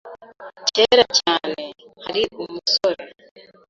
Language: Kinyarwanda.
Kera cyane., hari umusore .